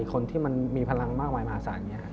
คนที่มันมีพลังมากมายมหาศาล